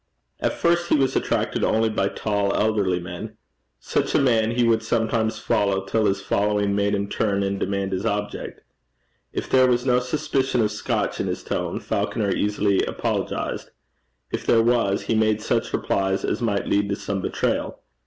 At first he was attracted only by tall elderly men. Such a man he would sometimes follow till his following made him turn and demand his object. If there was no suspicion of Scotch in his tone, Falconer easily apologized. If there was, he made such replies as might lead to some betrayal.